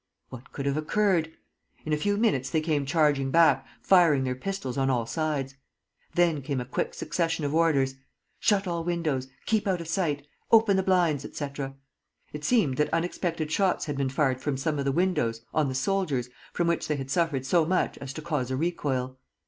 What could have occurred? In a few minutes they came charging back, firing their pistols on all sides. Then came a quick succession of orders: 'Shut all windows! Keep out of sight! Open the blinds!' etc. It seemed that unexpected shots had been fired from some of the windows on the soldiers, from which they had suffered so much as to cause a recoil.